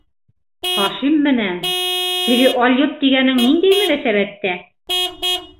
Хашим менән... теге алйот тигәнең ниндәй мөнәсәбәттә?